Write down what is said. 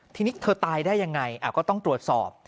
ทีนี้เธอตายได้ยังไงก็ต้องตรวจสอบ